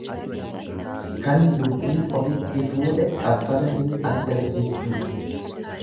Kan dubbii ofitti fuudhe qabbana hin argatu jechuudha.